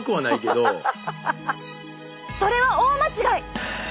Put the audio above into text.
それは大間違い！